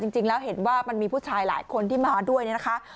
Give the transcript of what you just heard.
จริงแล้วเห็นว่ามันมีผู้ชายหลายคนที่มาด้วยเนี่ยนะคะ